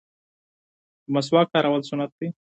د مسواک کارول سنت دی